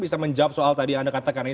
bisa menjawab soal tadi yang anda katakan ini